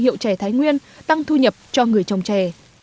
của thái nguyên tăng thu nhập cho người trồng chè